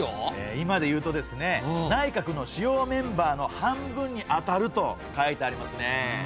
今でいうとですね内閣の主要メンバーの半分に当たると書いてありますね。